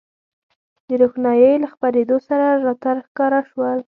د روښنایۍ له خپرېدو سره راته ښکاره شول.